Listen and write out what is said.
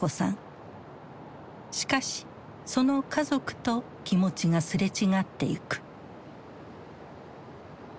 しかしその家族と気持ちがすれ違ってゆく。